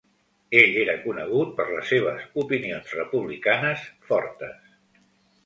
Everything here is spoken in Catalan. Ell era conegut per les seves opinions republicanes fortes.